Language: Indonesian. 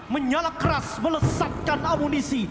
menyalak keras melesatkan amunisi